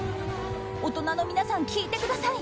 大人のみなさん聞いてください！